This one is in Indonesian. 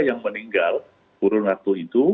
yang meninggal kurun waktu itu